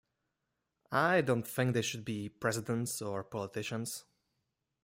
I don't think they should be presidents or politicians.